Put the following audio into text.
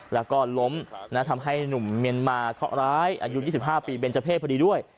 แล้วก็ล้มทำให้หนุ่มเมียนมาเคาะร้ายอายุ๒๕ปีเป็นเจ้าเพศพอดีด้วย